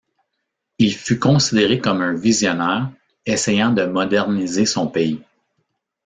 Il fut considéré comme un visionnaire essayant de moderniser son pays.